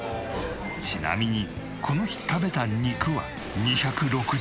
ちなみにこの日食べた肉は。